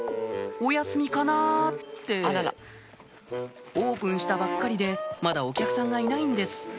お休みかなってオープンしたばっかりでまだお客さんがいないんです